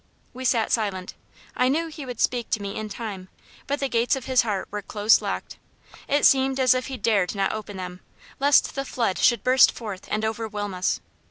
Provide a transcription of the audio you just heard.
We sat silent. I knew he would speak to me in time; but the gates of his heart were close locked. It seemed as if he dared not open them, lest the flood should burst forth and overwhelm us.